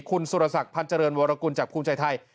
คุณสุรศักดิ์พันธ์เจริญวรกุลจากภูมิใจไทย